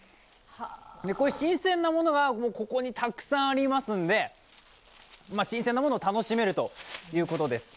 こういう新鮮なものがここにたくさんありますので新鮮なものを楽しめるということです。